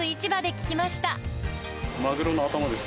マグロの頭です。